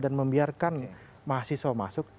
dan membiarkan mahasiswa masuk